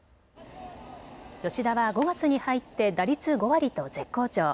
吉田は５月に入って打率５割と絶好調。